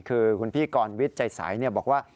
คือคุณพี่กรวิทย์ใจใสบอกว่า